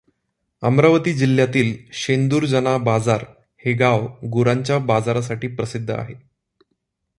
अमरावती जिल्ह्यातील शेंदूरजना बाजार हे गाव गुरांच्या बाजारासाठी प्रसिद्ध आहे.